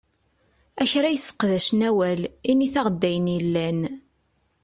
A kra yesseqdacen awal, init-aɣ-d ayen yellan!